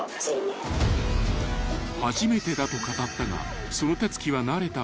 ［初めてだと語ったがその手つきは慣れたもの］